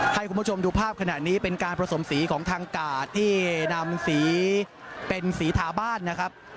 ให้คุณผู้ชมดูภาพขณะนี้เป็นการผสมสีของทางกาดที่นำสีเป็นสีถาบ้านนะครับ